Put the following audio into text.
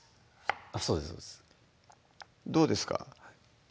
そうですそうですどうですか？